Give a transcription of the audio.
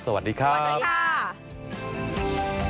สวัสดีครับสวัสดีค่ะ